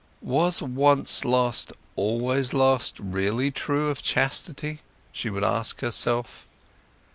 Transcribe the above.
Was once lost always lost really true of chastity? she would ask herself.